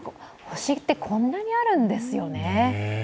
星ってこんなにあるんですよね。